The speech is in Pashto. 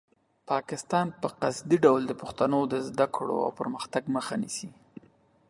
پاکستان په قصدي ډول د پښتنو د زده کړو او پرمختګ مخه نیسي.